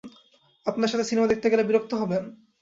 আপনার সাথে সিনেমা দেখতে গেলে বিরক্ত হবেন?